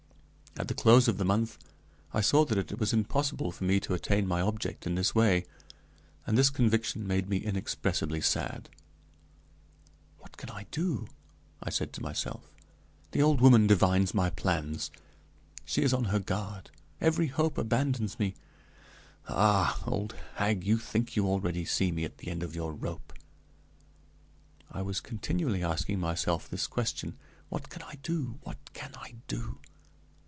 At the close of the month I saw that it was impossible for me to attain my object in this way, and this conviction made me inexpressibly sad. "What can I do?" I said to myself. "The old woman divines my plans; she is on her guard; every hope abandons me. Ah! old hag, you think you already see me at the end of your rope." I was continually asking myself this question: "What can I do? what can I do?"